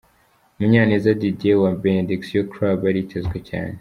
Munyaneza Didier wa Benediction Club aritezwe cyane.